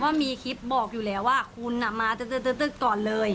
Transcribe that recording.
ว่ามีคลิปบอกอยู่แล้วว่าคุณมาเตือดตึกตอนเลย